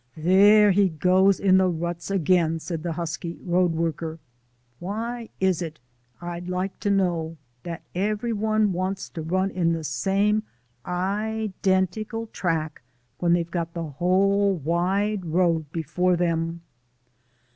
"There he goes in the ruts again," said the husky road worker. "Why is it, I'd like to know, that every one wants to run in the same identical track when they've got the whole wide road before 'em?"